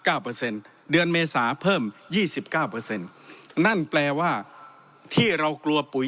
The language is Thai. เปอร์เซ็นต์เดือนเมษาเพิ่มยี่สิบเก้าเปอร์เซ็นต์นั่นแปลว่าที่เรากลัวปุ๋ย